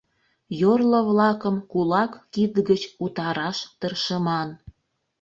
Йорло-влакым кулак кид гыч утараш тыршыман.